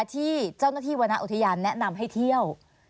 ที่เจ้าหน้าที่วรรณอุทยานแนะนำให้เที่ยว